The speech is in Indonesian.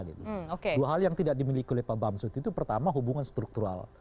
dua hal yang tidak dimiliki oleh pak bamsud itu pertama hubungan struktural